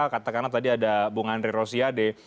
katakanlah tadi ada bung andri rosiade